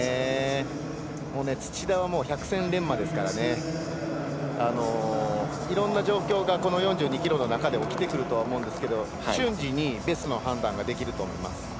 土田は百戦錬磨ですからいろんな状況が４２ｋｍの中で起きてくると思うんですけど瞬時にベストな判断ができると思います。